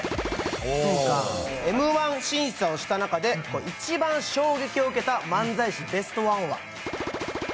Ｍ−１審査をした中で一番衝撃を受けた漫才師ベストワンは？